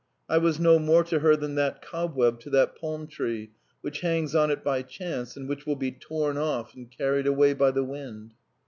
I was no more to her than that cobweb to that palm tree, which hangs on it by chance and which will be torn off and carried away by the wind.